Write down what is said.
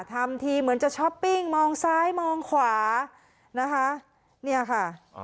ทำทีเหมือนจะช้อปปิ้งมองซ้ายมองขวานะคะเนี่ยค่ะ